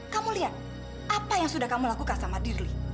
kamu lihat apa yang sudah kamu lakukan sama dirli